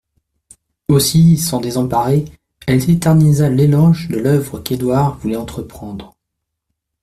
Aussi, sans désemparer, elle éternisa l'éloge de l'œuvre qu'Édouard voulait entreprendre.